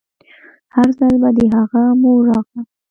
هر ځل به د هغه مور راغله.